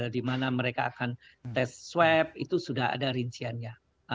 di mana mereka akan tes swab itu sudah ada rinciannya